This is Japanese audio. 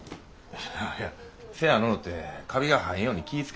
いやせやのうてカビが生えんように気ぃ付けたら。